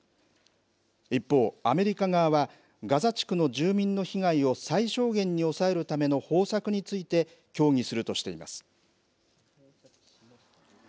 一方、アメリカ側は、ガザ地区の住民の被害を最小限に抑えるための方策について、協議するとしています。